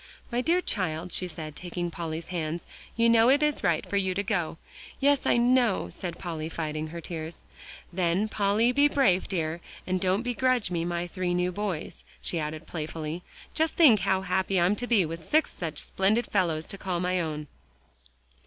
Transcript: "My dear child," she said, taking Polly's hands, "you know it is right for you to go." "Yes, I know," said Polly, fighting her tears. "Then, Polly, be brave, dear, and don't begrudge me my three new boys," she added playfully. "Just think how happy I'm to be, with six such splendid fellows to call my own."